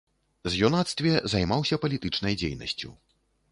З юнацтве займаўся палітычнай дзейнасцю.